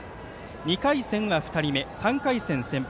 ２回戦は２人目、３回戦、先発。